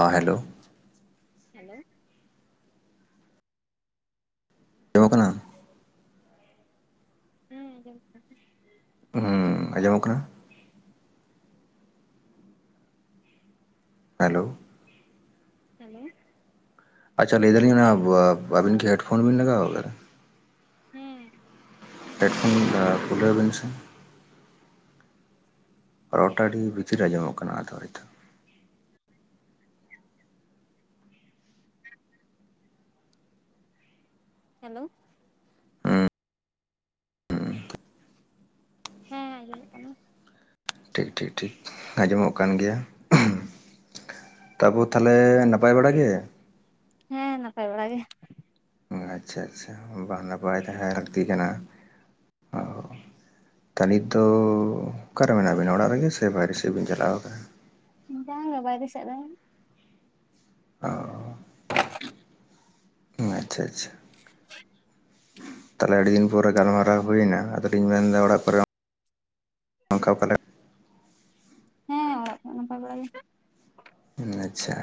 ᱚ hello hello ᱟᱸᱡᱚᱢᱚᱜ ᱠᱟᱱᱟ? ᱦᱮᱸ ᱟᱸᱡᱚᱢᱚᱜ ᱠᱟᱱᱟ ᱦᱮᱸ ᱟᱸᱡᱚᱢᱚᱜ ᱠᱟᱱᱟ ᱦᱮᱞᱳ ᱦᱮᱞᱳ ᱟᱪᱪᱷᱟ ᱞᱟᱹᱭ ᱫᱟᱞᱤᱧ ᱟᱵᱤᱱ ᱠᱤ ᱦᱮᱴᱯᱷᱳᱱ ᱵᱤᱱ ᱞᱟᱜᱟᱣ ᱠᱟᱫᱟ ᱦᱮᱸ ᱦᱮᱰᱯᱷᱳᱱ ᱠᱷᱩᱞᱟᱹᱣ ᱵᱤᱱ ᱥᱮ ᱨᱚᱲ ᱴᱟᱜ ᱟᱹᱰᱤ ᱵᱷᱤᱛᱤᱨ ᱟᱸᱡᱚᱢ ᱚᱜ ᱠᱟᱱᱟ ᱟᱫᱚ ᱦᱚᱭᱛᱚ ᱦᱮᱞᱳ ᱦᱮᱸ ᱟᱸᱡᱚᱢᱚᱜ ᱠᱟᱱᱟ ᱴᱷᱤᱠ ᱴᱷᱤᱠ ᱴᱷᱤᱠ ᱟᱸᱡᱚᱢᱚᱜ ᱠᱟᱱ ᱜᱮᱭᱟ ᱛᱟᱵᱩ ᱛᱟᱦᱚᱞᱮ ᱱᱟᱯᱟᱭ ᱵᱟᱲᱟ ᱜᱮ ᱦᱮᱸ ᱱᱟᱯᱟᱭ ᱵᱟᱲᱟ ᱜᱮ ᱟᱪᱪᱷᱟ ᱟᱪᱪᱷᱟ ᱵᱟᱝ ᱱᱟᱯᱟᱭ ᱛᱟᱦᱮᱸ ᱞᱟᱹᱠᱛᱤ ᱠᱟᱱᱟ ᱚ ᱛᱟᱱᱤᱛ ᱫᱚ ᱚᱠᱟᱨᱮ ᱢᱮᱱᱟᱜ ᱵᱤᱱᱟ ᱚᱲᱟᱜ ᱨᱮᱜᱮ ᱥᱮ ᱵᱟᱭᱨᱮ ᱥᱮᱫ ᱵᱤᱱ ᱪᱟᱞᱟᱣ ᱟᱠᱟᱱᱟ ᱵᱟᱝᱼᱟ ᱵᱟᱭᱨᱮ ᱥᱮᱫ ᱨᱮ [unintelligible] ᱟᱪᱪᱷᱟ ᱟᱪᱪᱷᱟ ᱛᱟᱦᱚᱞᱮ ᱟᱹᱰᱤ ᱫᱤᱱ ᱯᱚᱨᱮ ᱜᱟᱞᱢᱟᱨᱟᱣ ᱦᱩᱭᱱᱟ ᱟᱫᱚᱞᱤᱧ ᱢᱮᱱᱫᱟ ᱚᱲᱟᱜ ᱠᱚᱨᱮ ᱱᱟᱝᱠᱟ ᱯᱟᱞᱮᱫ ᱦᱮᱸ ᱚᱲᱟᱜ ᱠᱚ ᱨᱮ ᱱᱟᱯᱟᱭ ᱵᱟᱲᱟ ᱜᱮ ᱱᱮᱪᱷᱟ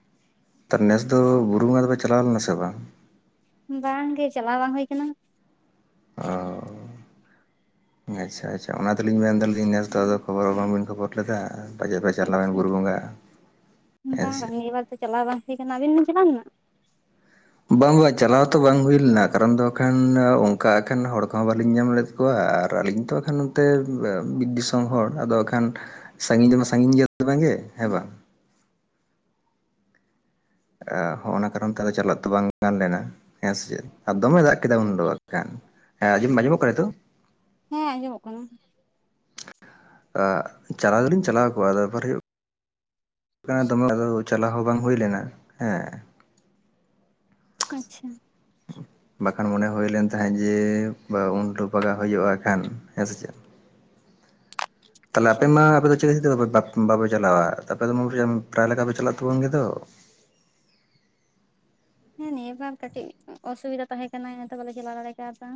[inaudible] ᱛᱟᱨ ᱱᱮᱥ ᱫᱚ ᱵᱩᱨᱩ ᱵᱚᱸᱜᱟ ᱫᱚᱯᱮ ᱪᱟᱞᱟᱣ ᱞᱮᱱᱟ ᱥᱮ ᱵᱟᱝ ᱵᱟᱝ ᱜᱮ ᱪᱟᱞᱟᱣ ᱵᱟᱝ ᱦᱩᱭ ᱟᱠᱟᱱᱟ ᱚ ᱟᱪᱪᱷᱟ ᱟᱪᱪᱷᱟ ᱚᱱᱟ ᱛᱮᱞᱤᱧ ᱢᱮᱱ ᱫᱟᱞᱤᱧ ᱱᱮᱥ ᱫᱚ ᱟᱫᱚ ᱠᱷᱚᱵᱚᱨ ᱦᱚᱸ ᱵᱟᱝ ᱵᱤᱱ ᱠᱷᱚᱵᱚᱨ ᱞᱮᱫᱟ ᱯᱟᱪᱮᱜ ᱯᱮ ᱪᱟᱞᱟᱣ ᱮᱱ ᱵᱩᱨᱩ ᱟᱪᱪᱷᱟ ᱵᱚᱸᱜᱟ ᱦᱮ ᱥᱮ ᱵᱟᱝ ᱱᱤᱭᱟᱹ ᱵᱟᱨ ᱪᱟᱞᱟᱣ ᱵᱟᱝ ᱦᱩᱭ ᱠᱟᱱᱟ ᱟᱵᱤᱱ ᱵᱤᱱ ᱪᱟᱞᱟᱣ ᱞᱤᱱᱟ ᱵᱟᱝ ᱵᱟᱜ ᱪᱟᱞᱟᱣ ᱛᱚ ᱵᱟᱝ ᱦᱩᱭ ᱞᱮᱱᱟ ᱠᱟᱨᱚᱱ ᱫᱚ ᱚᱱᱠᱟ ᱮᱠᱷᱟᱱ ᱦᱚᱲ ᱠᱚᱦᱚᱸ ᱵᱟᱞᱤᱧ ᱧᱟᱢ ᱞᱮᱫ ᱠᱚᱣᱟ ᱟᱨ ᱟᱹᱞᱤᱧ ᱠᱷᱟᱱ ᱱᱚᱱᱛᱮ ᱵᱤᱨ ᱫᱤᱥᱚᱢ ᱦᱚᱲ ᱟᱫᱚ ᱟᱠᱷᱟᱱ ᱥᱟᱺᱜᱤᱧ ᱫᱚᱢᱟ ᱥᱟᱺᱜᱤᱧ ᱜᱮᱭᱟ ᱵᱟᱝᱜᱮ ᱦᱮᱸ ᱵᱟᱝ ᱦᱚᱸᱜᱼᱱᱟ ᱠᱟᱨᱚᱱ ᱛᱮ ᱟᱫᱚ ᱪᱟᱞᱟᱜ ᱫᱚ ᱵᱟᱝ ᱜᱟᱱ ᱞᱮᱱᱟ ᱦᱮᱸ ᱥᱮ ᱟᱨ ᱫᱚᱢᱮ ᱫᱟᱜ ᱠᱮᱫᱟᱭ ᱩᱱᱫᱚ ᱮᱠᱷᱟᱱ ᱦᱮᱸ ᱟᱸᱡᱚᱢ ᱟᱸᱡᱚᱢᱚᱜ ᱠᱟᱱᱟ ᱱᱤᱛᱚᱜ ᱦᱮᱸ ᱟᱸᱡᱚᱢᱚᱜ ᱠᱟᱱᱟ ᱪᱟᱞᱟᱣ ᱫᱚᱞᱤᱧ ᱪᱟᱞᱟᱣ ᱠᱚᱜᱼᱟ ᱵᱮᱯᱟᱨ [inaudible] ᱦᱩᱭᱩᱜ ᱠᱟᱱᱟ ᱫᱚᱢᱮ ᱪᱟᱞᱟᱣ ᱦᱚᱸ ᱵᱟᱝ ᱦᱩᱭ ᱞᱮᱱᱟ ᱦᱮᱸ ᱟᱪᱪᱷᱟ ᱵᱟᱠᱷᱟᱱ ᱢᱚᱱᱮ ᱦᱩᱭ ᱞᱮᱱ ᱛᱟᱦᱮᱸᱡ ᱡᱮ ᱵᱟ ᱩᱱ ᱦᱤᱞᱚᱜ ᱦᱳᱭᱳᱜᱼᱟ ᱮᱠᱷᱟᱱ ᱦᱮᱸ ᱥᱮ ᱪᱮᱫ ᱛᱟᱦᱞᱮ ᱟᱪᱪᱷᱟ ᱟᱯᱮ ᱢᱟ ᱟᱯᱮ ᱫᱚ [unintelligible] ᱛᱮ ᱵᱟᱯᱮ ᱪᱟᱞᱟᱣᱟ ᱛᱟᱯᱮ ᱫᱚ ᱢᱩᱨ ᱨᱮᱢ ᱯᱨᱟᱭ ᱞᱮᱠᱟ ᱯᱮ ᱪᱟᱞᱟᱜ ᱛᱟᱵᱚᱱ ᱜᱮᱫᱚ ᱦᱮᱸ ᱱᱤᱭᱟᱹ ᱵᱟᱨ ᱠᱟᱹᱴᱤᱡ ᱚᱥᱩᱵᱤᱫᱟ ᱛᱟᱦᱮᱸ ᱠᱟᱱᱟ ᱤᱱᱟᱛᱮ ᱵᱟᱞᱮ ᱪᱟᱞᱟᱣ ᱫᱟᱲᱮ ᱠᱟᱣᱫᱟ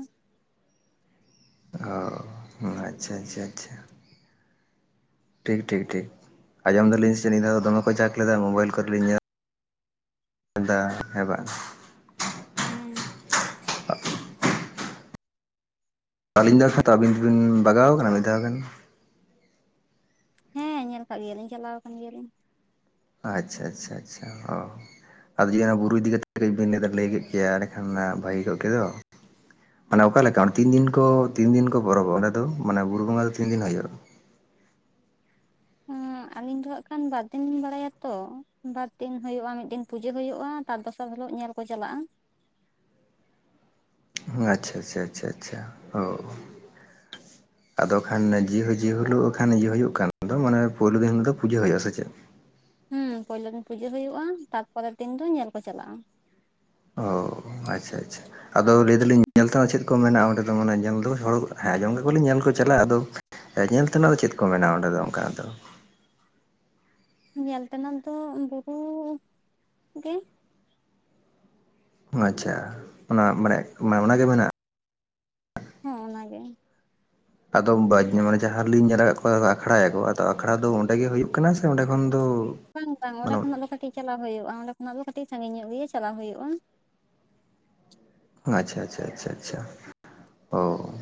ᱚ ᱟᱪᱪᱷᱟ ᱟᱪᱪᱷᱟ ᱟᱪᱪᱷᱟ ᱴᱷᱤᱠ ᱴᱷᱤᱠ ᱴᱷᱤᱠ ᱟᱸᱡᱚᱢ ᱫᱟᱞᱤᱧ ᱥᱮ ᱱᱤᱭᱟᱹ ᱫᱷᱟᱣ ᱫᱚᱢᱮ ᱠᱚ ᱪᱟᱠ ᱞᱮᱫᱟ ᱢᱚᱵᱟᱭᱤᱞ ᱠᱚᱨᱮᱞᱤᱧ ᱧᱮᱞ ᱾ [unintelligible] ᱫᱟ ᱦᱮ ᱵᱟᱝ ᱾ ᱦᱩᱸ ᱾ [inaudible] ᱟᱹᱞᱤᱧ ᱫᱚ [unintelligible] ᱟᱵᱤᱱ ᱵᱤᱱ ᱵᱟᱜᱟᱣ ᱠᱟᱱᱟ ᱢᱤᱫ ᱫᱷᱟᱣ ᱜᱟᱱ ᱦᱮᱸ ᱧᱮᱞ ᱟᱠᱟᱜ ᱜᱮᱭᱟᱞᱤᱧ ᱪᱟᱞᱟᱣ ᱠᱟᱱ ᱜᱮᱭᱟᱞᱤᱧ ᱟᱪᱪᱷᱟ ᱟᱪᱪᱷᱟ ᱟᱪᱪᱷᱟ ᱚ ᱟᱨ ᱡᱩᱫᱤ ᱚᱱᱟ ᱵᱩᱨᱩ ᱤᱫᱤ ᱠᱟᱛᱮᱫ ᱠᱟᱹᱡ ᱵᱮᱱ ᱞᱟᱹᱭ ᱠᱮᱭᱟ ᱮᱸᱰᱮ ᱠᱷᱟᱱ ᱱᱟᱜ ᱵᱷᱟᱭᱮ ᱠᱚᱜ ᱠᱮᱫᱚ ᱢᱟᱱᱮ ᱚᱠᱟᱞᱮᱠᱟ ᱛᱤᱱ ᱫᱤᱱ ᱠᱚ ᱛᱤᱱ ᱫᱤᱱ ᱠᱚ ᱯᱚᱨᱚᱵᱟ ᱚᱸᱰᱮ ᱫᱚ ᱢᱟᱱᱮ ᱵᱩᱨᱩ ᱵᱚᱸᱜᱟ ᱫᱚ ᱛᱤᱱ ᱫᱤᱱ ᱦᱳᱭᱳᱜᱼᱟ ᱟᱹᱞᱤᱧ ᱫᱚ ᱦᱟᱸᱜ ᱠᱷᱟᱱ ᱵᱟᱨᱫᱤᱱ ᱞᱤᱧ ᱵᱟᱲᱟᱭᱟ ᱛᱚ ᱵᱟᱨ ᱫᱤᱱ ᱦᱳᱭᱳᱜᱼᱟ ᱢᱤᱫ ᱫᱤᱱ ᱯᱩᱡᱟᱹ ᱦᱩᱭᱳᱜᱼᱟ ᱛᱟᱨ ᱫᱚᱥᱟᱨ ᱦᱤᱞᱚᱜ ᱧᱮᱞ ᱠᱚ ᱪᱟᱞᱟᱜᱼᱟ ᱟᱪᱪᱷᱟ ᱟᱪᱪᱷᱟ ᱟᱪᱪᱷᱟ ᱟᱪᱪᱷᱟ ᱚ [unintelligible] ᱟᱫᱚ ᱠᱷᱟᱱ ᱫᱚ ᱡᱤᱦᱟᱹ-ᱡᱤᱦᱟᱹᱞᱳᱜ ᱠᱷᱟᱱ ᱤᱭᱟᱹ ᱦᱩᱭᱩᱜ ᱠᱷᱟᱱ ᱫᱚ ᱢᱟᱱᱮ ᱯᱳᱭᱞᱳ ᱫᱤᱱ ᱦᱤᱞᱳ ᱫᱚ ᱯᱩᱡᱟᱹ ᱦᱩᱭᱩᱜᱼᱟ ᱥᱮ ᱪᱮᱫ? ᱦᱩᱸ ᱯᱩᱭᱞᱳ ᱫᱤᱱ ᱯᱩᱡᱟᱹ ᱦᱩᱭᱩᱜᱼᱟ ᱛᱟ ᱯᱚᱨᱮᱨ ᱫᱤᱱ ᱫᱚ ᱧᱮᱞ ᱠᱚ ᱪᱟᱞᱟᱜᱼᱟ ᱾ ᱚ ᱟᱪᱪᱷᱟ ᱟᱪᱪᱷᱟ ᱾ ᱟᱫᱚ ᱞᱟᱹᱭ ᱫᱟᱞᱤᱧ ᱧᱮᱞ ᱛᱮᱦᱚᱸ ᱪᱮᱫ ᱠᱚ ᱢᱮᱱᱟᱜᱼᱟ ᱚᱸᱰᱮ ᱫᱚ ᱢᱟᱱᱮ ᱧᱮᱞ ᱫᱚ ᱦᱚᱲ ᱦᱮᱸ ᱟᱸᱡᱚᱢ ᱜᱮ ᱠᱚᱞᱤᱧ ᱧᱮᱞ ᱠᱚ ᱪᱟᱞᱟᱜᱼᱟ ᱟᱫᱚ ᱧᱮᱞ ᱛᱮᱱᱟᱜ ᱫᱚ ᱪᱮᱫ ᱠᱚ ᱢᱮᱱᱟᱜᱼᱟ ᱚᱸᱰᱮ ᱫᱚ ᱚᱱᱠᱟ ᱫᱚ? ᱧᱮᱞ ᱛᱮᱱᱟᱜ ᱫᱚ ᱵᱩᱨᱩ ᱜᱮ ᱾ ᱦᱩᱸ ᱟᱪᱪᱷᱟ ᱚᱱᱟ ᱢᱟᱱᱮ ᱢᱟᱱᱮ ᱚᱱᱟᱜᱮ ᱢᱮᱱᱟᱜᱼᱟ? ᱦᱮᱸ ᱚᱱᱟᱜᱮ ᱾ ᱟᱫᱚᱢ ᱵᱟᱡ ᱢᱟᱱᱮ ᱡᱟᱦᱟᱸ ᱨᱮᱞᱤᱧ ᱧᱮᱞ ᱟᱠᱟᱫ ᱠᱚᱣᱟ ᱟᱠᱷᱲᱟᱭ ᱟᱠᱚ ᱟᱫᱚ ᱟᱠᱷᱲᱟ ᱫᱚ ᱚᱸᱰᱮ ᱜᱮ ᱦᱩᱭᱩᱜ ᱠᱟᱱᱟ ᱥᱮ ᱚᱸᱰᱮ ᱠᱷᱚᱱ ᱫᱚ ᱵᱟᱝ ᱵᱟᱝ ᱚᱸᱰᱮ ᱢᱟᱱᱮ ᱠᱷᱚᱱᱟᱜ ᱫᱚ ᱠᱟᱹᱴᱤᱡ ᱪᱟᱞᱟᱣ ᱦᱩᱭᱩᱜᱼᱟ ᱾ ᱚᱸᱰᱮ ᱠᱷᱚᱱᱟᱜ ᱫᱚ ᱠᱟᱹᱴᱤᱡ ᱥᱟᱺᱜᱤᱧ ᱧᱚᱜ ᱜᱮ ᱪᱟᱞᱟᱣ ᱦᱩᱭᱩᱜᱼᱟ ᱾ ᱟᱪᱪᱷᱟ ᱟᱪᱪᱷᱟ ᱟᱪᱪᱷᱟ ᱟᱪᱪᱷᱟ ᱚ ᱾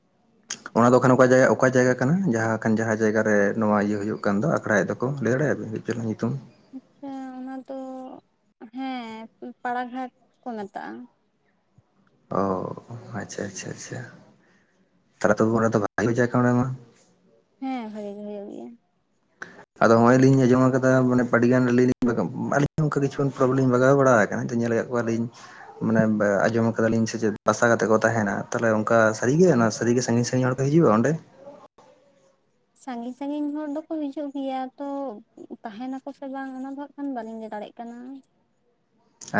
[unintelligible] ᱚᱱᱟ ᱫᱚ ᱠᱷᱟᱱ ᱚᱠᱟ ᱡᱟᱭᱜᱟ ᱚᱠᱟ ᱡᱟᱭᱜᱟ ᱠᱟᱱᱟ ᱡᱟᱦᱟᱸ ᱠᱷᱟᱱ ᱡᱟᱦᱟᱸ ᱡᱟᱭᱜᱟ ᱨᱮ ᱱᱚᱣᱟ ᱤᱭᱟᱹ ᱦᱩᱭᱩᱜ ᱠᱟᱱ ᱫᱚ ᱟᱠᱷᱲᱟᱭ ᱮᱫ ᱫᱚᱠᱚ ᱞᱟᱹᱭ ᱫᱟᱲᱮᱭᱟ-ᱵᱤᱱ? ᱪᱮᱫ ᱫᱚ ᱧᱤᱛᱩᱢ? ᱟᱪᱪᱷᱟ ᱚᱱᱟ ᱫᱚ ᱦᱮᱸ ᱹ-ᱯᱟᱲᱟᱜᱷᱟᱴ ᱠᱚ ᱢᱮᱛᱟᱜᱼᱟ ᱾ ᱚ ᱟᱪᱪᱷᱟ ᱟᱪᱪᱷᱟ ᱟᱪᱪᱷᱟ ᱾ ᱛᱟᱞᱮ ᱛᱚ ᱚᱸᱰᱮ ᱫᱚ ᱵᱷᱟᱹᱜᱤ ᱡᱟᱭᱜᱟ ᱚᱸᱰᱮ ᱢᱟ ᱾ ᱦᱮᱸ ᱵᱷᱟᱜᱮ ᱜᱮ ᱦᱩᱭᱩᱜ ᱾ [inaudible] ᱟᱫᱚ ᱦᱚᱸᱜᱼᱚᱭ ᱞᱤᱧ ᱟᱸᱡᱚᱢ ᱟᱠᱟᱫᱟ ᱢᱟᱱᱮ ᱟᱹᱰᱤ ᱜᱟᱱ ᱟᱹᱞᱤᱧ-ᱞᱤᱧ ᱟᱞᱤᱧ ᱚᱱᱠᱟ ᱠᱤᱪᱷᱩ ᱛᱚᱜᱮᱞᱤᱧ ᱵᱟᱜᱟᱣ ᱵᱟᱲᱟ ᱟᱠᱟᱱᱟ ᱛᱚ ᱧᱮᱞ ᱟᱠᱟᱫ ᱠᱚᱣᱟᱞᱤᱧ ᱢᱟᱱᱮ ᱵᱟᱻ-ᱟᱸᱡᱚᱢ ᱛᱚᱵᱮ ᱞᱤᱧ ᱥᱮ ᱪᱮᱫ ᱵᱟᱥᱟ ᱠᱟᱛᱮ ᱠᱚ ᱛᱟᱦᱮᱱᱟ ᱛᱟᱦᱚᱞᱮ ᱚᱱᱠᱟ ᱥᱟᱹᱨᱤ ᱜᱮ ᱚᱱᱟ ᱥᱟᱹᱨᱤ ᱜᱮ ᱥᱟᱺᱜᱤᱧ ᱥᱟᱺᱜᱤᱧ ᱦᱚᱲ ᱠᱚ ᱦᱤᱡᱩᱜᱼᱟ ᱚᱸᱰᱮ? ᱥᱟᱺᱜᱤᱧ ᱥᱟᱺᱜᱤᱧ ᱦᱚᱲ ᱫᱚᱠᱚ ᱦᱤᱡᱩᱜ ᱜᱮᱭᱟ ᱾ ᱛᱚ ᱛᱟᱦᱮᱱᱟᱠᱚ ᱥᱮ ᱵᱟᱝ ᱚᱱᱟ ᱫᱚ ᱦᱟᱸᱜ ᱠᱷᱟᱱ ᱵᱟᱹᱞᱤᱧ ᱞᱟᱹᱭ ᱫᱟᱲᱮᱜ ᱠᱟᱱᱟ ᱾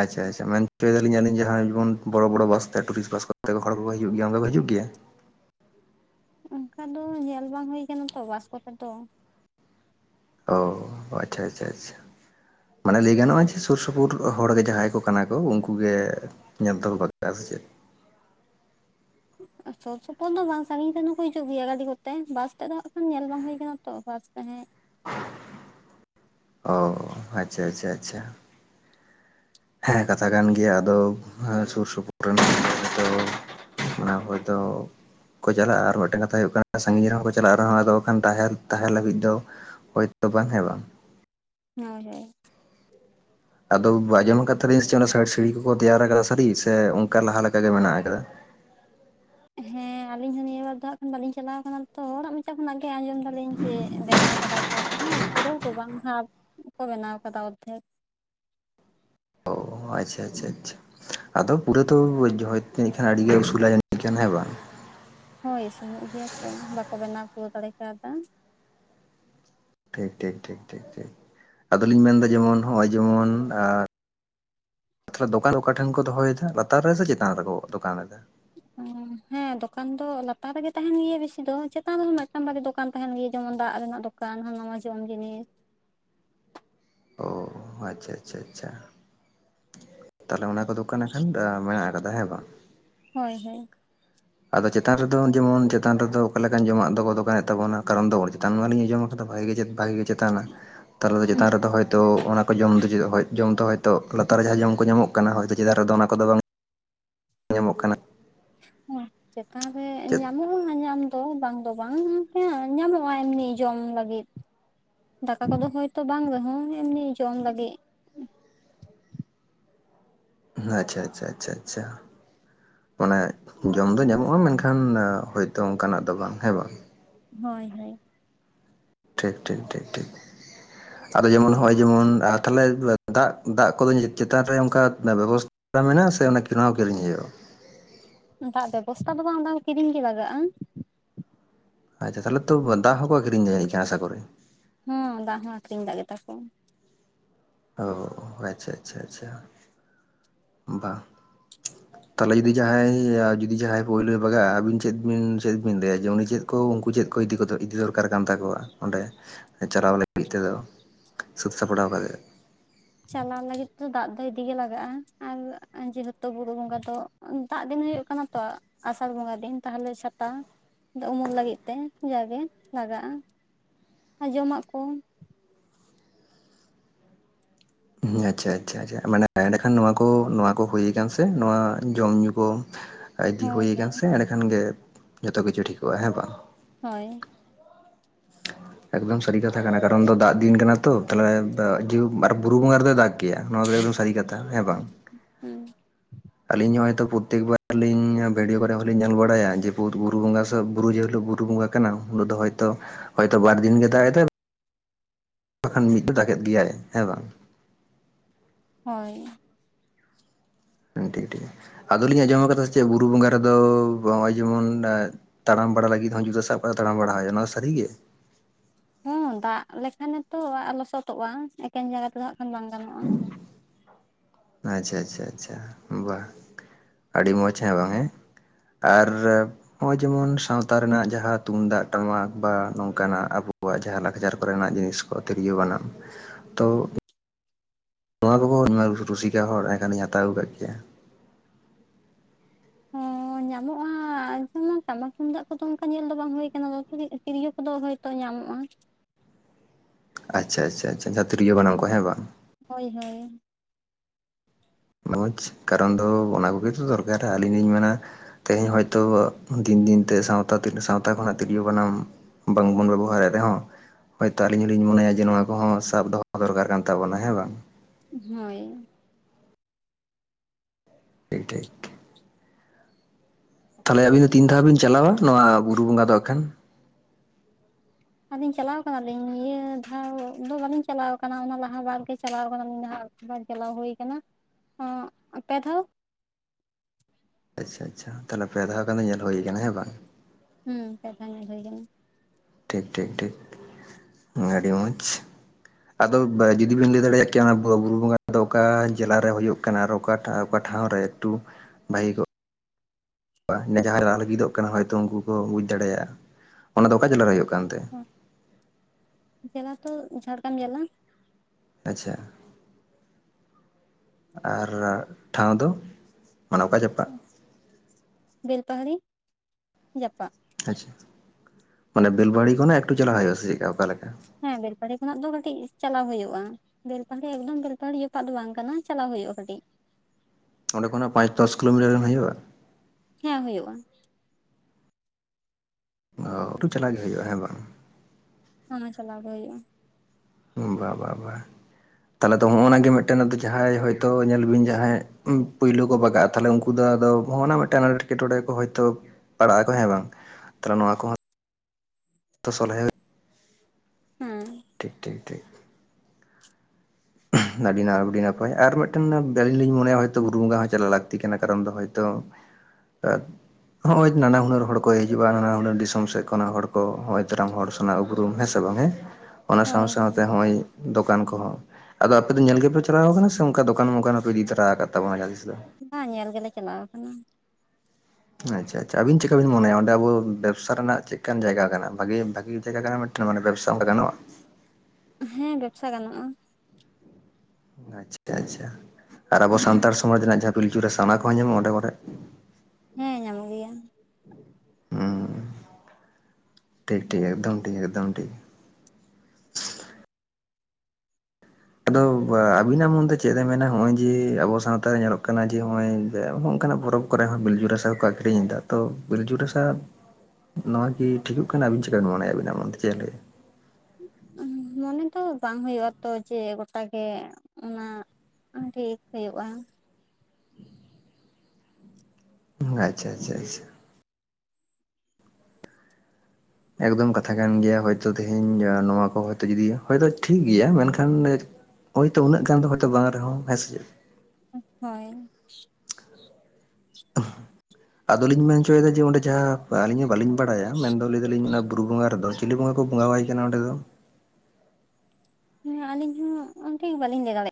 ᱟᱪᱪᱷᱟ ᱟᱪᱪᱷᱟ ᱢᱮᱱ ᱪᱩᱭ ᱫᱟᱞᱤᱧ ᱟᱹᱞᱤᱧ ᱡᱟᱦᱟᱸᱭ ᱡᱮᱢᱚᱱ ᱵᱚᱲᱚ ᱵᱚᱲᱚ ᱵᱟᱥᱛᱮ ᱴᱩᱨᱤᱥᱴ ᱵᱟᱥ ᱠᱚᱛᱮ ᱦᱚᱲ ᱠᱚᱠᱚ ᱦᱤᱡᱩᱜ ᱜᱮᱭᱟ ᱾ ᱚᱱᱠᱟ ᱠᱚ ᱦᱤᱡᱩᱜ ᱜᱮᱭᱟ? ᱚᱱᱠᱟ ᱫᱚ ᱧᱮᱞ ᱵᱟᱝ ᱦᱩᱭ ᱠᱟᱱᱟ ᱛᱚ ᱵᱟᱥ ᱠᱚᱛᱮ ᱫᱚ ᱾ ᱚ ᱟᱪᱪᱷᱟ ᱟᱪᱪᱷᱟ ᱟᱪᱷᱟ ᱾ ᱢᱟᱱᱮ ᱞᱟᱹᱭ ᱜᱟᱱᱚᱜᱼᱟ ᱡᱮ ᱥᱩᱨ-ᱥᱩᱯᱩᱨ ᱦᱚᱲ ᱜᱮ ᱡᱟᱦᱟᱸᱭ ᱠᱚ ᱠᱟᱱᱟ ᱠᱚ ᱩᱱᱠᱩ ᱜᱮ ᱧᱮᱞ ᱛᱚ ᱵᱟᱜ-ᱟ ᱥᱮ ᱪᱮᱫ? ᱥᱩᱨ ᱥᱩᱯᱩᱨ ᱫᱚ ᱵᱟᱝ ᱥᱟᱺᱜᱤᱧ ᱠᱷᱚᱱ ᱦᱚᱸᱠᱚ ᱦᱤᱡᱩᱜ ᱜᱮᱭᱟ ᱜᱟᱹᱰᱤ ᱠᱚᱛᱮ, ᱵᱟᱥ ᱛᱮᱫ ᱫᱚ ᱦ ᱟᱸᱜ ᱠᱷᱟᱱ ᱧᱮᱞ ᱵᱟᱝ ᱦᱩᱭ ᱠᱟᱱᱟ ᱛᱚ ᱠᱟᱪ ᱛᱟᱦᱮᱸᱜ [unintelligible] ᱚ ᱟᱪᱪᱷᱟ ᱟᱪᱪᱷᱟ ᱟᱪᱪᱷᱟ ᱾ ᱦᱮᱸ ᱠᱟᱛᱷᱟ ᱠᱟᱱ ᱜᱮᱭᱟ ᱟᱫᱚ ᱥᱩᱨ ᱥᱩᱯᱩᱨ ᱨᱮᱱ [inaudible] ᱫᱚ [unintelligible] ᱚᱱᱟ ᱠᱚᱫᱚ ᱠᱚ ᱪᱟᱞᱟᱜᱼᱟ ᱟᱨ ᱢᱤᱫᱴᱮᱱ ᱠᱟᱛᱷᱟ ᱦᱩᱭᱩᱜ ᱠᱟᱱᱟ ᱥᱟᱺᱜᱤᱧ ᱨᱮ ᱦᱚᱠᱚ ᱪᱟᱞᱟᱜ ᱨᱮᱦᱚᱸ ᱟᱫᱚ ᱵᱟᱠᱷᱟᱱ ᱛᱟᱦᱮ ᱛᱟᱦᱮᱸᱱ ᱞᱟᱹᱜᱤᱫ ᱫᱚ ᱦᱳᱭ ᱛᱚ ᱵᱟᱝ ᱠᱷᱟᱡ ᱵᱟᱝ ᱾ [unintelligible] ᱦᱳᱭ ᱦᱳᱭ ᱾ ᱟᱫᱚ ᱵᱟ-ᱟᱸᱡᱚᱢ ᱠᱟᱫ ᱛᱟᱦᱮᱱᱤᱧ ᱥᱮᱪᱤ ᱚᱱᱟ ᱥᱟᱹ-ᱤ-ᱥᱤᱸᱲᱤ ᱠᱚᱠᱚ ᱛᱮᱭᱟᱨ ᱠᱟᱫᱟ ᱥᱟᱹᱨᱤ ᱥᱮ ᱚᱱᱠᱟ ᱞᱟᱦᱟ ᱞᱮᱠᱟ ᱜᱮ ᱢᱮᱱᱟᱜ ᱟᱠᱟᱫᱟ? ᱦᱮᱸ ᱟᱞᱤᱧ ᱦᱚᱸ ᱱᱤᱭᱟᱹ ᱵᱟᱨ ᱫᱚ ᱦᱟᱜ ᱠᱷᱟᱱ ᱵᱟᱞᱤᱧ ᱪᱟᱞᱟᱣ ᱟᱠᱟᱱᱟ ᱛᱚ ᱦᱚᱲᱟᱜ ᱢᱚᱪᱲ ᱠᱷᱚᱱᱟᱜ ᱜᱮ ᱟᱸᱡᱚᱢ ᱞᱟ. ᱭ ᱟᱞᱤᱧ ᱪᱮ ᱵᱮᱱᱟᱣ ᱠᱟᱫᱟ ᱠᱚ ᱚᱱᱟ ᱯᱩᱨᱟᱹᱣ ᱫᱚ ᱵᱟᱝ ᱵᱷᱟᱵᱽ ᱠᱚ ᱵᱮᱱᱟᱣ ᱟᱠᱟᱫᱟ ᱚᱨᱫᱷᱮᱠ ᱚᱻ ᱟᱪᱷᱟ ᱟᱪᱷᱟ ᱟᱪᱷᱟ ᱟᱫᱚ ᱯᱩᱨᱟᱹ ᱛᱚ ᱳ ᱡᱷᱚᱭ ᱱᱤᱜ ᱠᱷᱟᱱ ᱟᱹᱰᱤ ᱜᱮ ᱩᱥᱩᱞᱼᱟ ᱡᱟᱱᱤᱜ ᱠᱷᱟᱱ ᱦᱮᱸ ᱵᱟᱝ? ᱦᱳᱭ ᱩᱥᱩᱞ ᱧᱚᱜ ᱜᱮᱭᱟ ᱛᱚ ᱵᱟᱠᱚ ᱵᱮᱱᱟᱣ ᱠᱚ ᱫᱟᱲᱮ ᱠᱟᱣᱫᱟ ᱾ ᱴᱷᱤᱠ ᱴᱷᱤᱠ ᱴᱷᱤᱠ ᱴᱷᱤᱠ ᱴᱷᱤᱠ ᱟᱫᱚᱞᱤᱧ ᱢᱮᱱᱫᱟ ᱡᱮᱢᱚᱱ ᱱᱚᱜᱼᱚᱭ ᱡᱮᱢᱚᱱ ᱟᱨ ᱛᱟᱦᱞᱮ ᱫᱚᱠᱟᱱ ᱚᱠᱟ ᱴᱷᱮᱱ ᱠᱚ ᱫᱚᱦᱚᱭ ᱮᱫᱟ ᱞᱟᱛᱟᱨ ᱨᱮ ᱥᱮ ᱪᱮᱛᱟᱱ ᱨᱮᱠᱚ ᱫᱚᱠᱟᱱ ᱮᱫᱟ? ᱚᱸ ᱦᱮᱸ ᱫᱚᱠᱟᱱ ᱫᱚ ᱞᱟᱛᱟᱨ ᱨᱮᱜᱮ ᱛᱟᱦᱮᱱ ᱜᱮᱭᱟ ᱵᱮᱥᱤ ᱫᱚ ᱾ ᱪᱮᱛᱟᱱ ᱨᱮᱦᱚᱸ ᱢᱤᱫᱴᱟᱝ ᱵᱟᱨᱮ ᱫᱚᱠᱟᱱ ᱫᱚᱠᱟᱱ ᱛᱟᱦᱮᱱ ᱜᱮ ᱡᱮᱢᱚᱱ ᱫᱟᱜ ᱨᱮᱱᱟᱜ ᱫᱚᱠᱟᱱ ᱦᱟᱱᱟ-ᱱᱟᱣᱟ ᱡᱚᱢ ᱡᱤᱱᱤᱥ ᱾ ᱚ ᱟᱪᱪᱷᱟ ᱟᱪᱪᱷᱟ ᱟᱪᱪᱷᱟ ᱾ ᱛᱟᱦᱞᱮ ᱚᱱᱟ ᱠᱚ ᱫᱚᱠᱟᱱ ᱮ ᱠᱷᱟᱱ ᱢᱮᱱᱟᱜ ᱟᱠᱟᱫᱟ ᱦᱮᱸ ᱵᱟᱝ? ᱦᱳᱭ ᱦᱳᱭ ᱾ ᱟᱫᱚ ᱪᱮᱛᱟᱱ ᱨᱮᱫᱚ ᱡᱮᱢᱚᱱ ᱪᱮᱛᱟᱱ ᱨᱮᱫᱚ ᱚᱠᱟ ᱞᱮᱠᱟᱱ ᱡᱚᱢᱟᱜ ᱫᱚ ᱜᱚ ᱫᱚᱠᱟᱱᱮᱫ ᱛᱟᱵᱚᱱᱟ ᱠᱟᱨᱚᱱ ᱫᱚ ᱪᱮᱛᱟᱱ ᱨᱮ ᱟᱞᱤᱧ ᱟᱸᱡᱚᱢ ᱟᱫᱚ ᱵᱷᱟᱜᱮ ᱜᱮ ᱪᱮᱫ ᱵᱷᱟᱜᱮ ᱜᱮ ᱪᱮᱫ ᱛᱟᱦᱮᱱᱟ ᱛᱟᱦᱚᱞᱮ ᱫᱚ ᱦᱩᱸ ᱪᱮᱛᱟᱱ ᱨᱮᱫᱚ ᱦᱚᱭᱛᱚ ᱚᱱᱟᱠᱚ ᱡᱚᱢ ᱫᱚ ᱪ ᱡᱚᱢ ᱫᱚ ᱦᱚᱭᱛᱚ ᱞᱟᱛᱟᱨ ᱨᱮ ᱡᱟᱦᱟᱸ ᱡᱚᱢ ᱠᱚ ᱧᱟᱢᱚᱜ ᱠᱟᱱᱟ ᱪᱮᱛᱟᱱ ᱨᱮᱫᱚ ᱚᱱᱟ ᱠᱚᱫᱚ ᱵᱟᱝ ᱧᱟᱢᱚᱜ ᱠᱟᱱᱟ ᱦᱮᱸ ᱪᱮᱛᱟᱱ ᱨᱮ ᱪᱮᱫ ᱧᱟᱢᱚᱜᱼᱟ ᱧᱟᱢ ᱫᱚ ᱵᱟᱝ ᱛᱚ ᱵᱟᱝ ᱧᱟᱢᱚᱜᱼᱟ ᱮᱢᱱᱤ ᱡᱚᱢ ᱞᱟᱹᱜᱤᱫ ᱫᱟᱠᱟ ᱠᱚᱫᱚ ᱦᱚᱳᱭᱛᱚ ᱵᱟᱝ ᱨᱮᱦᱚᱸ ᱮᱢᱱᱤ ᱡᱚᱢ ᱞᱟᱹᱜᱤᱫ ᱟᱪᱷᱟ ᱟᱪᱷᱟ ᱟᱪᱷᱟ ᱟᱪᱷᱟ ᱢᱟᱱᱮ ᱡᱚᱢ ᱫᱚ ᱧᱟᱢᱚᱜᱼᱟ ᱢᱮᱱᱠᱷᱟᱱ ᱦᱚᱳᱭᱛᱚ ᱚᱱᱠᱟᱱᱟᱜ ᱫᱚ ᱵᱟᱝ ᱦᱮᱸ ᱵᱟᱝ ᱦᱳᱭ ᱦᱳᱭ ᱴᱷᱤᱠ ᱴᱷᱤᱠ ᱴᱷᱤᱠ ᱴᱷᱤᱠ ᱟᱫᱚ ᱡᱮᱢᱚᱱ ᱱᱚᱜᱚᱭ ᱡᱮᱢᱚᱱ ᱛᱟᱦᱚᱞᱮ ᱫᱟᱜ ᱫᱟᱜ ᱠᱚᱫᱚ ᱪᱮᱛᱟᱱ ᱨᱮ ᱚᱱᱠᱟ ᱵᱮᱵᱚᱥᱛᱷᱟ ᱢᱮᱱᱟᱜᱼᱟ ᱥᱮ ᱚᱱᱟ [unintelligible] ᱠᱤᱨᱤᱧ ᱦᱩᱭᱩᱜᱼᱟ ᱫᱟᱜ ᱵᱮᱵᱚᱥᱛᱷᱟ ᱫᱚ ᱵᱟᱝ ᱚᱱᱟ ᱫᱚ ᱠᱤᱨᱤᱧ ᱜᱮ ᱞᱟᱜᱟᱜᱼᱟ ᱟᱪᱷᱟ ᱛᱟᱦᱚᱞᱮ ᱛᱚ ᱫᱟᱜ ᱦᱚᱸᱠᱚ ᱟᱠᱷᱨᱤᱧ ᱜᱮᱭᱟ ᱟᱥᱟ ᱠᱚᱨᱮ ᱦᱮᱸ ᱫᱟᱜ ᱦᱚᱸ ᱟᱠᱷᱨᱤᱧ ᱫᱟᱜ ᱜᱮᱛᱟ ᱠᱚ ᱚ ᱟᱪᱷᱟ ᱟᱪᱷᱟ ᱟᱪᱷᱟ ᱵᱟᱝ ᱛᱟᱦᱚᱞᱮ ᱡᱩᱫᱤ ᱡᱟᱦᱟᱸᱭ ᱡᱩᱫᱤ ᱡᱟᱦᱟᱸᱭ ᱯᱳᱭᱞᱳ ᱵᱟᱜᱟᱼᱟ ᱟᱵᱤᱱ ᱪᱮᱫ ᱵᱤᱱ ᱪᱮᱫ ᱵᱤᱱ ᱞᱟᱹᱭᱟ ᱡᱮ ᱩᱱᱤ ᱪᱮᱫ ᱠᱚ ᱩᱱᱠᱩ ᱪᱮᱫ ᱠᱚ ᱤᱫᱤ ᱤᱫᱤ ᱫᱚᱨᱠᱟᱨ ᱠᱟᱱ ᱛᱟᱠᱚᱣᱟ ᱚᱸᱰᱮ ᱪᱟᱞᱟᱣ ᱞᱟᱹᱜᱤᱫ ᱛᱮᱫᱚ ᱥᱟᱹᱛ ᱥᱟᱯᱲᱟᱣ ᱠᱟᱛᱮᱫ ᱪᱟᱞᱟᱣ ᱞᱟᱹᱜᱤᱫ ᱛᱚ ᱫᱟᱜ ᱫᱚ ᱤᱫᱤᱜᱮ ᱞᱟᱜᱟᱜᱼᱟ ᱟᱨ ᱡᱮᱦᱮᱛᱩ ᱵᱩᱨᱩ ᱵᱚᱸᱜᱟ ᱫᱚ ᱫᱟᱜ ᱫᱤᱱ ᱦᱩᱭᱩᱜ ᱠᱟᱱᱟ ᱛᱚ ᱟᱥᱟᱲ ᱵᱚᱸᱜᱟ ᱫᱤᱱ ᱛᱟᱦᱞᱮ ᱪᱷᱟᱛᱟ ᱟᱫᱚ ᱩᱢᱩᱞ ᱞᱟᱹᱜᱤᱫ ᱛᱮ ᱡᱟᱜᱮ ᱞᱟᱜᱟᱜᱼᱟ ᱟᱨ ᱡᱚᱢᱟᱜ ᱠᱚ ᱦᱩ ᱟᱪᱷᱟ ᱟᱪᱷᱟ ᱟᱪᱷᱟ ᱢᱟᱱᱮ ᱮᱸᱰᱮᱠᱷᱟᱱ ᱱᱚᱣᱟ ᱠᱚ ᱱᱚᱣᱟ ᱠᱚ ᱦᱩ ᱟᱠᱟᱱ ᱥᱮ ᱱᱚᱣᱟ ᱡᱚᱢ ᱧᱩ ᱠᱚ ᱤᱫᱤ ᱦᱳᱭ ᱦᱩᱭᱠᱟᱱ ᱦᱳᱭ ᱥᱮ ᱮᱸᱰᱮᱠᱷᱟᱱ ᱜᱮ ᱡᱚᱛᱚ ᱠᱤᱪᱷᱩ ᱴᱷᱤᱠᱚᱜᱼᱟ ᱦᱮᱸ ᱵᱟᱝ ᱦᱳᱭ ᱮᱠᱫᱚᱢ ᱥᱟᱹᱨᱤ ᱠᱟᱛᱷᱟ ᱠᱟᱱᱟ ᱠᱟᱨᱚᱱ ᱫᱚ ᱫᱟᱜ ᱫᱤᱱ ᱠᱟᱱᱟ ᱛᱚ ᱛᱟᱦᱚᱞᱮ ᱟᱨ ᱵᱩᱨᱩ ᱵᱚᱸᱜᱟ ᱨᱮᱫᱚᱭ ᱫᱟᱜ ᱜᱮᱭᱟ ᱱᱚᱣᱟ ᱫᱚ ᱮᱠᱫᱚᱢ ᱥᱟᱹᱨᱤ ᱠᱟᱛᱷᱟ ᱦᱮᱸ ᱟᱞᱤᱧ ᱱᱚᱜᱚᱭ ᱛᱚ ᱯᱨᱚᱛᱮᱠ ᱵᱟᱨᱞᱤᱧ ᱵᱷᱤᱰᱭᱳ ᱠᱚᱨᱮ ᱦᱚᱸᱞᱤᱧ ᱧᱮᱞ ᱵᱟᱲᱟᱭᱟ ᱡᱮ ᱵᱩᱨᱩ ᱵᱚᱸᱜᱟ ᱵᱩᱨᱩ ᱡᱮᱦᱤᱞᱳᱜ ᱵᱩᱨᱩ ᱵᱚᱸᱜᱟ ᱠᱟᱱᱟ ᱩᱱ ᱫᱚ ᱦᱚᱭ ᱛᱚ ᱦᱚᱭᱛᱚ ᱵᱟᱨ ᱫᱤᱱ ᱜᱮ ᱫᱟᱜ ᱮᱫᱟ ᱵᱟᱠᱷᱟᱱ ᱢᱤᱫ ᱫᱚ ᱫᱟᱜᱮᱜ ᱜᱮᱭᱟᱭ ᱦᱮᱸ ᱵᱟᱝ ᱦᱳᱭ ᱦᱮᱸ ᱴᱷᱤᱠ ᱴᱷᱤᱠ ᱟᱫᱚᱞᱤᱧ ᱟᱸᱡᱚᱢ ᱠᱟᱫᱟ ᱪᱮᱫ ᱵᱩᱨᱩ ᱵᱚᱸᱜᱟ ᱨᱮᱫᱚ ᱱᱚᱜᱼᱚᱭ ᱡᱮᱢᱚᱱ ᱛᱟᱲᱟᱢ ᱵᱟᱲᱟ ᱞᱟᱹᱜᱤᱫ ᱦᱚᱸ ᱡᱩᱛᱟᱹ ᱥᱟᱵ ᱛᱟᱲᱟᱢ ᱵᱟᱲᱟ ᱦᱩᱭᱩᱜᱼᱟ ᱚᱱᱟ ᱫᱚ ᱥᱟᱹᱨᱤᱜᱮ ᱦᱚᱸ ᱫᱟᱜ ᱞᱮᱠᱷᱟᱱᱮᱛᱚ ᱟᱜ ᱞᱚᱥᱚᱫᱚᱜᱼᱟ ᱮᱠᱮᱱ ᱡᱟᱸᱜᱟ ᱛᱮᱫᱚ ᱦᱟᱸᱜ ᱠᱟᱹᱢᱤ ᱵᱟᱝ ᱜᱟᱱᱚᱜᱼᱟ ᱟᱪᱪᱷᱟ ᱟᱪᱷᱟ ᱟᱪᱷᱟ ᱵᱟ ᱟᱹᱰᱤ ᱢᱚᱡᱽ ᱦᱮ ᱵᱟᱝ ᱦᱮᱸ ᱟᱨ ᱱᱚᱣᱟ ᱡᱮᱢᱚᱱ ᱥᱟᱶᱛᱟ ᱨᱮᱱᱟᱜ ᱱᱚᱣᱟ ᱡᱟᱦᱟᱸ ᱛᱩᱢᱫᱟᱜ ᱴᱟᱢᱟᱠ ᱵᱟ ᱱᱚᱝᱠᱟᱱᱟᱜ ᱟᱵᱚᱣᱟᱜ ᱡᱟᱦᱟᱸ ᱞᱟᱠᱪᱟᱨ ᱠᱚᱨᱮᱱᱟᱜ ᱡᱤᱱᱤᱥ ᱛᱤᱨᱭᱳ ᱵᱟᱱᱟᱢ ᱛᱚ ᱱᱚᱣᱟ ᱠᱚᱦᱚᱸ ᱤᱧᱢᱟ ᱨᱩᱥᱤᱠᱟ ᱦᱚᱲ ᱮᱠᱷᱟᱱᱤᱧ ᱦᱟᱛᱟᱣ ᱟᱠᱟᱫ ᱜᱮᱭᱟ ᱚ ᱧᱟᱢᱚᱜᱼᱟ ᱡᱮᱢᱚᱱ ᱴᱟᱢᱟᱠ ᱛᱩᱢᱫᱟᱜ ᱠᱚᱫᱚ ᱚᱱᱠᱟ ᱧᱮᱞ ᱫᱚ ᱵᱟᱝ ᱦᱩᱭ ᱟᱠᱟᱱᱟ ᱛᱤᱨᱭᱳ ᱠᱚᱫᱚ ᱦᱳᱭᱛᱚ ᱧᱟᱢᱚᱜᱼᱟ ᱟᱪᱷᱟ ᱟᱪᱷᱟ ᱪᱷᱟ ᱡᱟᱦᱟᱸ ᱛᱤᱨᱭᱳ ᱵᱟᱱᱟᱢ ᱠᱚ ᱦᱮᱸ ᱵᱟᱝ ᱦᱳᱭ ᱦᱳᱭ ᱢᱚᱡᱽ ᱠᱟᱨᱚᱱ ᱫᱚ ᱚᱱᱟ ᱠᱚᱜᱮ ᱛᱚ ᱫᱚᱨᱠᱟᱨᱼᱟ ᱟᱹᱞᱤᱧ ᱞᱤᱧ ᱢᱮᱱᱟ ᱛᱮᱦᱤᱧ ᱦᱚᱭᱛᱳ ᱫᱤᱱ ᱫᱤᱱᱛᱮ ᱥᱟᱶᱛᱟ ᱥᱟᱶᱛᱟ ᱠᱷᱚᱱᱟᱜ ᱛᱤᱨᱭᱳ ᱵᱟᱱᱟᱢ ᱵᱟᱝ‌ ᱵᱚᱱ ᱵᱮᱵᱚᱦᱟᱨᱮᱫ ᱨᱮᱦᱚ ᱦᱳᱭᱛᱳ ᱟᱹᱞᱤᱧ ᱦᱚᱞᱤᱧ ᱢᱚᱱᱮᱭᱟ ᱡᱮ ᱱᱚᱣᱟ ᱠᱚᱦᱚᱸ ᱥᱟᱵ ᱫᱚᱦᱚ ᱫᱚᱨᱠᱟᱨ ᱠᱟᱱ ᱛᱟᱵᱚᱱᱟ ᱦᱮᱸ ᱵᱟᱝ? ᱦᱳᱸᱭ ᱴᱷᱤᱠ ᱴᱷᱤᱠ ᱛᱟᱦᱚᱞᱮ ᱟᱹᱵᱤᱱ ᱫᱚ ᱛᱤᱱ ᱫᱷᱟᱣ ᱵᱮᱱ ᱪᱟᱞᱟᱣᱟ ᱱᱚᱣᱟ ᱵᱩᱨᱩ ᱵᱚᱸᱜᱟ ᱫᱚ ᱟᱠᱷᱟᱱ? ᱟᱞᱤᱧ ᱪᱟᱞᱟᱣ ᱟᱠᱟᱱᱟᱞᱤᱧ ᱤᱭᱟᱹ ᱫᱷᱟᱣ ᱫᱚ ᱵᱟᱞᱤᱧ ᱪᱟᱞᱟᱣ ᱟᱠᱟᱱᱟ ᱚᱱᱟ ᱞᱟᱦᱟ ᱵᱟᱨ ᱜᱮ ᱪᱟᱞᱟᱣ ᱟᱠᱟᱱᱟᱞᱤᱧ ᱱᱟᱦᱟᱜ ᱵᱟᱝ ᱪᱟᱞᱟᱣ ᱦᱩᱭ ᱟᱠᱟᱱᱟ ᱟᱸᱜ ᱯᱮ ᱫᱷᱟᱣ ᱟᱪᱪᱷᱟ ᱟᱪᱪᱷᱟ ᱛᱟᱦᱞᱮ ᱯᱮ ᱫᱷᱟᱣ ᱜᱟᱱ ᱫᱚ ᱧᱮᱞ ᱦᱩᱭ ᱟᱠᱟᱱᱟ ᱦᱮᱸ ᱵᱟᱝ? ᱦᱩᱸ ᱯᱮ ᱫᱷᱟᱣ ᱧᱮᱞ ᱦᱩᱭ ᱠᱟᱱᱟ ᱴᱷᱤᱠ ᱴᱷᱤᱠ ᱴᱷᱤᱠ ᱟᱹᱰᱤ ᱢᱚᱡᱽ ᱟᱫᱚ ᱡᱩᱫᱤ ᱵᱮᱱ ᱞᱟᱹᱭ ᱫᱟᱲᱮᱭᱟᱜ ᱠᱮᱭᱟ ᱚᱱᱟ ᱵᱩᱨᱩ ᱵᱚᱸᱜᱟ ᱫᱚ ᱚᱠᱟ ᱡᱮᱞᱟ ᱨᱮ ᱦᱩᱭᱩᱜ ᱠᱟᱱᱟ ᱟᱨ ᱚᱠᱟ ᱚᱠᱟ ᱴᱷᱟᱶ ᱨᱮ ᱮᱠᱴᱩ ᱵᱷᱟᱹᱜᱤ ᱠᱚᱜ -ᱟ ᱡᱟᱦᱟᱸᱨᱮ ᱨᱟᱜ ᱞᱟᱹᱜᱤᱫᱚᱜ ᱠᱟᱱᱟ ᱦᱚᱭᱛᱳ ᱩᱱᱠᱩ ᱠᱚ ᱵᱩᱡᱽ ᱫᱟᱲᱮᱭᱟᱜᱼᱟ ᱚᱱᱟ ᱫᱚ ᱚᱠᱟ ᱡᱮᱞᱟ ᱨᱮ ᱦᱩᱭᱩᱜ ᱠᱟᱱ ᱛᱮ ᱡᱮᱞᱟ ᱛᱚ ᱡᱷᱟᱲᱜᱨᱟᱢ ᱡᱮᱞᱟ ᱟᱪᱪᱷᱟ ᱟᱨ, ᱴᱷᱟᱶ ᱫᱚ ᱢᱟᱱᱮ ᱚᱠᱟ ᱡᱟᱯᱼᱼ ᱵᱮᱞᱯᱟᱹᱦᱲᱤ ᱡᱟᱯᱟᱜ ᱟᱪᱷᱟ ᱢᱟᱱᱮ ᱵᱮᱞᱯᱟᱹᱦᱲᱤ ᱠᱷᱚᱱᱟᱜ ᱮᱠᱴᱩ ᱪᱟᱞᱟᱜ ᱦᱩᱭᱩᱜᱼᱟ ᱥᱮ ᱪᱮᱫ ᱚᱠᱟᱞᱮᱠᱟ? ᱦᱮᱸ ᱵᱮᱞᱯᱟᱹᱦᱲᱤ ᱠᱷᱚᱱᱟᱜ ᱫᱚ ᱠᱟᱹᱴᱤᱡ ᱪᱟᱞᱟᱣ ᱦᱩᱭᱩᱜᱼᱟ ᱵᱮᱞᱯᱟᱹᱦᱲᱤ ᱮᱠᱫᱚᱢ ᱵᱮᱞᱯᱟᱹᱦᱲᱤ ᱡᱟᱯᱟᱜ ᱫᱚ ᱵᱟᱝ ᱠᱟᱱᱟ ᱪᱟᱞᱟᱜ ᱦᱩᱭᱩᱜᱼᱟ ᱠᱟᱹᱴᱤᱡ ᱚᱸᱰᱮ ᱠᱷᱚᱱᱟᱜ ᱯᱟᱸᱪ ᱫᱚᱥ ᱠᱤᱞᱳᱢᱤᱴᱟᱨ ᱜᱟᱱ ᱦᱩᱭᱩᱜᱼᱟ? ᱦᱮᱸ ᱦᱩᱭᱩᱜᱼᱟ᱾ ᱚ ᱚᱴᱩ [unintelligible] ᱪᱟᱞᱟᱜ ᱜᱮ ᱦᱩᱭᱩᱜᱼᱟ ᱦᱮᱸ ᱵᱟᱝ? ᱦᱚᱸ ᱱᱟᱜ ᱪᱟᱞᱟᱣ ᱜᱮ ᱦᱩᱭᱩᱜᱼᱟ᱾ ᱵᱟ ᱵᱟ ᱵᱟ ᱛᱟᱦᱚᱞᱮ ᱫᱚ ᱦᱚᱜᱼᱱᱟᱜ ᱜᱮ ᱢᱤᱫᱴᱮᱱ ᱡᱟᱦᱟᱸᱭ ᱦᱚᱳᱭᱛᱳ ᱧᱮᱞ ᱵᱤᱱ ᱡᱟᱦᱟᱸᱭ ᱯᱳᱭᱞᱳ ᱠᱚ ᱵᱟᱜᱟᱜᱼᱟ ᱛᱟᱦᱞᱮ ᱩᱱᱠᱩ ᱫᱚ ᱟᱫᱚ ᱦᱚᱸᱜ ᱱᱟ ᱢᱤᱫᱴᱮᱱ ᱮᱴᱠᱮᱴᱚᱬᱮ ᱠᱚ ᱦᱭᱛᱳ ᱯᱟᱲᱟᱜ ᱟᱠᱚ ᱦᱮᱸ ᱵᱟᱝ ᱛᱟᱦᱞᱮ ᱱᱚᱣᱟ ᱠᱚᱦᱚᱸ ᱥᱚᱞᱦᱮ ᱦᱮᱸ ᱴᱷᱤᱠ ᱴᱷᱤᱠ ᱴᱷᱤᱠ ᱟᱹᱰᱤ ᱱᱟ ᱟᱹᱰᱤ ᱱᱟᱯᱟᱭ ᱟᱨ ᱢᱤᱫᱴᱮᱱ ᱟᱹᱞᱤᱧ ᱞᱤᱧ ᱢᱚᱱᱮᱭᱟ ᱦᱚᱭᱛᱚ ᱜᱩᱨᱩ ᱵᱚᱸᱜᱟ ᱦᱚᱸ ᱪᱟᱞᱟᱜ ᱞᱟᱹᱠᱛᱤ ᱠᱟᱱᱟ ᱠᱟᱨᱚᱱ ᱫᱚ ᱦᱚᱭᱛᱳ [inaudible] ᱱᱚᱜᱼᱚᱭ ᱱᱟᱱᱟ ᱦᱩᱱᱟᱹᱨ ᱦᱚᱲ ᱠᱚ ᱦᱤᱡᱩᱜᱼᱟ ᱱᱟᱱᱟ ᱦᱩᱱᱟᱹᱨ ᱫᱤᱥᱚᱢ ᱥᱮᱫ ᱠᱷᱚᱱ ᱦᱚᱲ ᱠᱚ ᱱᱚᱜᱼᱚᱭ ᱫᱟᱨᱟᱢ ᱦᱚᱲ ᱚᱱᱟ ᱩᱯᱨᱩᱢ ᱦᱮᱸ ᱥᱮ ᱵᱟᱝ? ᱦᱮᱸ ᱚᱱᱟ ᱥᱟᱶ ᱦᱳᱭ ᱦᱮᱸ ᱥᱟᱶᱛᱮ ᱚᱜᱼᱚᱭ ᱫᱚᱠᱟᱱ ᱠᱚᱦᱚᱸ ᱟᱫᱚ ᱟᱯᱮ ᱫᱚ ᱧᱮᱞ ᱜᱮᱯᱮ ᱪᱟᱞᱟᱣ ᱟᱠᱟᱱᱟ ᱥᱮ ᱚᱱᱠᱟ ᱫᱚᱠᱟᱱ ᱢᱚᱠᱟᱱ ᱦᱚᱸᱯᱮ ᱤᱫᱤ ᱛᱚᱨᱟ ᱟᱠᱟᱫ ᱛᱵᱚᱱᱟ ᱡᱟᱦᱟᱸᱛᱤᱥ ᱫᱚ? ᱵᱟᱝ ᱧᱮᱞ ᱜᱮᱞᱮ ᱪᱟᱞᱟᱣ ᱟᱠᱟᱱᱟ ᱟᱪᱪᱷᱟ ᱟᱪᱪᱷᱟ ᱟᱵᱤᱱ ᱪᱮᱫᱠᱟ ᱵᱤᱱ ᱢᱚᱱᱮᱭᱟ ᱚᱸᱰᱮ ᱟᱵᱚ ᱵᱮᱵᱽᱥᱟ ᱨᱮᱱᱟᱜ ᱪᱮᱫᱠᱟᱱ ᱡᱟᱭᱜᱟ ᱠᱟᱱᱟ ᱵᱷᱟᱜᱤ ᱵᱷᱟᱜᱤ ᱡᱟᱭᱜᱟ ᱠᱟᱱᱟ ᱢᱤᱫᱴᱮᱱ? ᱢᱟᱱᱮ ᱵᱮᱵᱽᱥᱟ ᱚᱱᱠᱟ ᱜᱟᱱᱚᱜᱼᱟ? ᱦᱮᱸ ᱵᱮᱵᱥᱟ ᱜᱟᱱᱚᱜᱼᱟ ᱟᱪᱪᱷᱟ ᱟᱪᱪᱷᱟ ᱟᱨ ᱟᱵᱚ ᱥᱟᱱᱛᱟᱲ ᱥᱚᱢᱟᱡᱽ ᱨᱮᱱᱟᱜ ᱡᱟᱦᱟᱸ ᱯᱤᱞᱪᱩ ᱨᱟᱥᱟ ᱟᱱᱟ ᱠᱚᱦᱚᱸ ᱧᱟᱢᱚᱜᱼᱟ ᱚᱸᱰᱮ ᱚᱸᱵᱮ ᱦᱮᱸ ᱧᱟᱢᱚᱜ ᱜᱮᱭᱟ ᱦᱩᱸᱴᱷᱤᱠ ᱴᱷᱤᱠ ᱮᱠᱫᱚᱢ ᱴᱷᱤᱠ ᱮᱠᱫᱚᱢ ᱴᱷᱤᱠ ᱟᱫᱚ ᱟᱵᱤᱱᱟᱜ ᱢᱚᱱᱛᱮ ᱪᱮᱫ ᱮ ᱢᱮᱱᱟ ᱦᱚᱸᱜ ᱚᱭ ᱡᱮ ᱟᱵᱚ ᱥᱟᱶᱛᱟ ᱨᱮ ᱧᱮᱞᱚᱜ ᱠᱟᱱᱟ ᱡᱮ ᱱᱚᱜ ᱚᱭ ᱱᱚᱝᱠᱟᱱᱟᱜ ᱯᱚᱨᱚᱵᱽ ᱠᱚᱨᱮ ᱦᱚᱸ ᱵᱤᱞᱡᱩ ᱨᱟᱥᱟ ᱠᱚ ᱟᱠᱷᱨᱤᱧ ᱮᱫᱟ ᱛᱚ ᱵᱤᱞᱡᱩ ᱨᱟᱥᱟ ᱱᱚᱣᱟ ᱜᱤ ᱴᱷᱤᱠᱚᱜ ᱠᱟᱱᱟ ᱟᱵᱤᱱ ᱪᱤᱠᱟᱵᱤᱱ ᱢᱚᱱᱮᱭᱟ ᱟᱵᱤᱱᱟᱜ ᱢᱚᱱᱛᱮ ᱪᱮᱫ ᱞᱟᱹᱼᱼ ᱢᱚᱱᱮ ᱫᱚ ᱵᱟᱝ ᱦᱩᱭᱩᱜ ᱟ ᱛᱚ ᱡᱮ ᱜᱚᱴᱟᱮ ᱚᱱᱟ ᱴᱷᱤᱠ ᱦᱩᱭᱩᱜᱼᱟ [unintelligible] ᱟᱪᱪᱷᱟ ᱟᱪᱪᱷᱟ ᱟᱪᱷᱟ ᱮᱠᱫᱚᱢ ᱠᱟᱛᱷᱟ ᱠᱟᱱ ᱜᱮᱭᱟ ᱦᱚᱭᱛᱳ ᱛᱮᱦᱮᱧ ᱱᱚᱣᱟ ᱠᱚ ᱦᱚᱭᱛᱳ ᱡᱩᱫᱤ ᱦᱚᱭᱛᱳ ᱴᱷᱤᱠ ᱜᱮᱭᱟ ᱢᱮᱱᱠᱷᱟᱱ ᱦᱳᱭᱛᱳ ᱩᱱᱟᱹᱜ ᱜᱟᱱ ᱦᱚᱭᱛᱳ ᱵᱟᱝ ᱨᱮᱦᱚᱸ ᱦᱮᱸ ᱥᱮ? ᱦᱳᱭ ᱟᱫᱚᱞᱤᱧ ᱢᱮᱱ ᱚᱪᱚᱭᱫᱟ ᱡᱮ ᱚᱸᱰᱮ ᱡᱟᱦᱟᱸ ᱟᱹᱞᱤᱧ ᱦᱚᱸ ᱵᱟᱹᱞᱤᱧ ᱵᱟᱲᱟᱭᱟ ᱢᱮᱱᱫᱚ ᱞᱟᱹᱭ ᱫᱟᱞᱤᱧ ᱚᱱᱟ ᱵᱩᱨᱩ ᱵᱚᱸᱜᱟ ᱨᱮᱫᱚ ᱪᱤᱞᱤ ᱵᱚᱸᱜᱟ ᱠᱚ ᱵᱚᱸᱜᱟᱣᱟᱭ ᱠᱟᱱᱟ ᱚᱸᱰᱮ ᱫᱚ ᱦᱮᱸ ᱟᱹᱞᱤᱧ ᱦᱚᱸ ᱚᱱ ᱴᱷᱤ ᱵᱟᱹᱞᱤᱧ ᱞᱟᱹᱭ ᱫᱟᱲᱮ